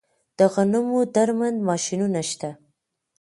د غنمو درمند ماشینونه شته